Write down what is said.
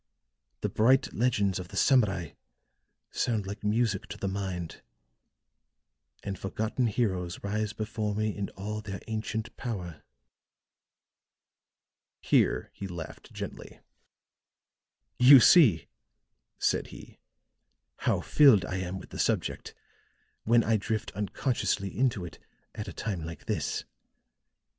The bright legends of the Samurai sound like music to the mind; and forgotten heroes rise before me in all their ancient power." Here he laughed gently. "You see," said he, "how filled I am with the subject, when I drift unconsciously into it at a time like this.